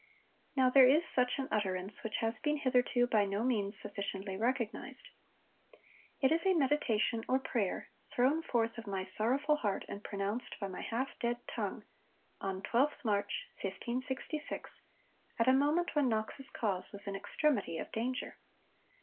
Now there is such an utterance, which has been hitherto by no means sufficiently recognised. It is 'a meditation or prayer, thrown forth of my sorrowful heart and pronounced by my half dead tongue,' on 12th March, 1566, at a moment when Knox's cause was in extremity of danger.